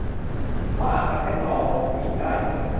เพราะอาจทำให้หลอดลมตีบได้